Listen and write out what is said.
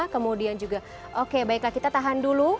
kemudian juga oke baiklah kita tahan dulu